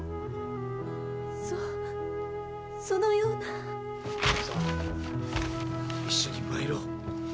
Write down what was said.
そそのような。さあ一緒に参ろう。